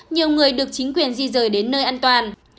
nhiều người được chính quyền di rời đến nơi an toàn